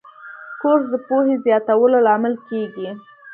کورس د پوهې زیاتولو لامل کېږي.